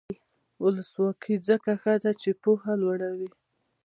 ولسواکي ځکه ښه ده چې پوهه لوړوي.